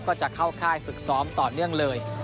ก็จะเข้าค่ายฝึกซ้อมต่อเนื่องเลย